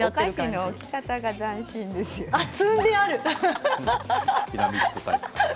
お菓子の置き方が斬新ですよね。